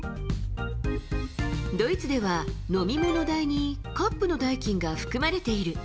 ドイツでは飲み物代にカップの代金が含まれている。